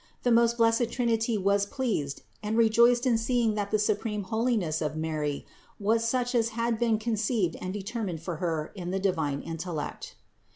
The most blessed Trinity was pleased and rejoiced in seeing that the supreme holiness of Mary was such as had been con ceived and determined for Her in the divine intellect.